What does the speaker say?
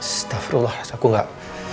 astagfirullahaladzim aku gak